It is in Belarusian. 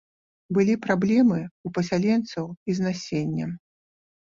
Былі праблемы ў пасяленцаў і з насеннем.